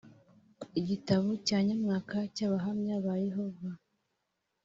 Igitabo nyamwaka cy’Abahamya ba Yehova